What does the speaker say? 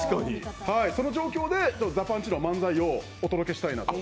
その状況でザ・パンチの漫才をお届けしたいなと。